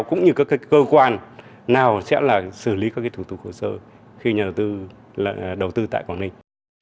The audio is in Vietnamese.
cũng như các cơ quan nào sẽ là xử lý các thủ tục hồ sơ khi nhà đầu tư đầu tư tại quảng ninh